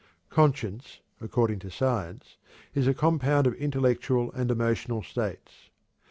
Conscience, according to science, is a compound of intellectual and emotional states.